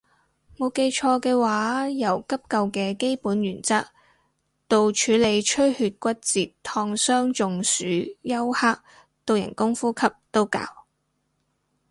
冇記錯嘅話由急救嘅基本原則到處理出血骨折燙傷中暑休克到人工呼吸都教